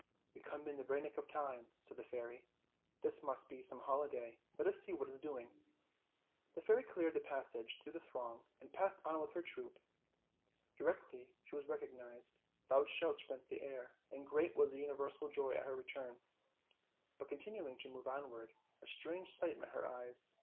"We come in the very nick of time," said the fairy; "this must be some holiday. Let us see what is doing." The fairy cleared a passage through the throng, and passed on with her troop. Directly she was recognized, loud shouts rent the air, and great was the universal joy at her return; but, continuing to move onward, a strange sight met her eyes.